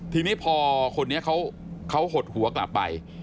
ทีนี้พอคนนี้เขาหดหัวกลับไป